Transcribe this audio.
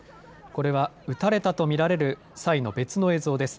これは撃たれたと見られる際の別の映像です。